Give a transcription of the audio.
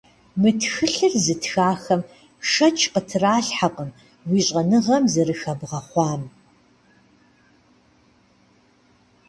Мы тхылъыр зытхахэм шэч къытрахьэкъым уи щӀэныгъэм зэрыхэбгъэхъуам.